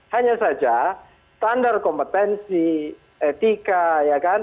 hanya saja standar kompetensi etika ya kan